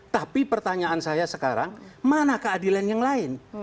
tapi pertanyaan saya sekarang mana keadilan yang lain